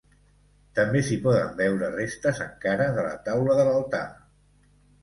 També s'hi poden veure restes encara de la taula de l'altar.